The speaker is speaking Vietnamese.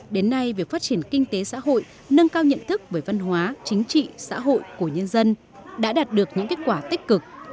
để phát triển kinh tế xã hội nâng cao nhận thức với văn hóa chính trị xã hội của nhân dân đã đạt được những kết quả tích cực